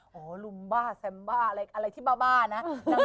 ลุมบ้าแซมบ้าอะไรที่บ้าบ้านะ